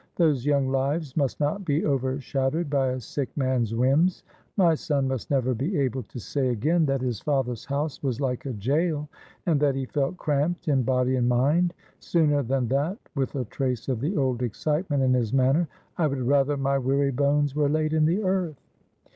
Those young lives must not be overshadowed by a sick man's whims. My son must never be able to say again that his father's house was like a jail, and that he felt cramped in body and mind. Sooner than that," with a trace of the old excitement in his manner, "I would rather my weary bones were laid in the earth."